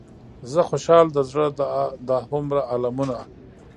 زه خوشحال د زړه دا هومره المونه.